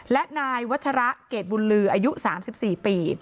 และนายวัชระเกรดบุญลืออายุ๓๔ปี